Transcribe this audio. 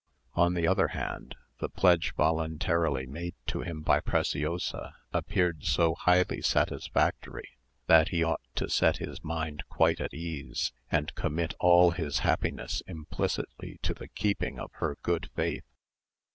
On the other hand, the pledge voluntarily made to him by Preciosa appeared so highly satisfactory, that he ought to set his mind quite at ease, and commit all his happiness implicitly to the keeping of her good faith.